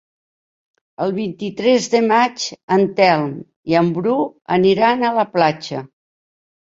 El vint-i-tres de maig en Telm i en Bru aniran a la platja.